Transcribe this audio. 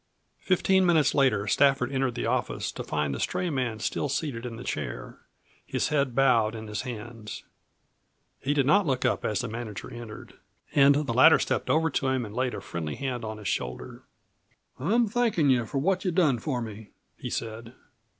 Fifteen minutes later Stafford entered the office to find his stray man still seated in the chair, his head bowed in his hands. He did not look up as the manager entered, and the latter stepped over to him and laid a friendly hand on his shoulder. "I'm thankin' you for what you've done for me," he said.